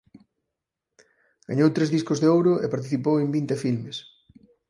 Gañou tres discos de ouro e participou en vinte filmes.